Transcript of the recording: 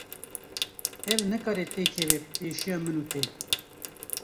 Ev nikare têkeve pêşiya min û te.